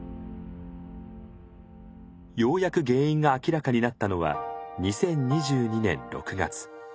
ようやく原因が明らかになったのは２０２２年６月。